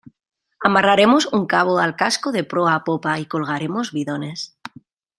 amarraremos un cabo al casco de proa a popa y colgaremos bidones